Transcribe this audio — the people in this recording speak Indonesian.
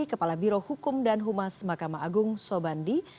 kepala biro hukum dan humas mahkamah agung sobandi